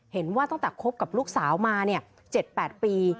เห็นว่าตั้งแต่คบกับลูกสาวมา๗๘ปี